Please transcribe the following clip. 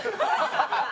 ハハハハ！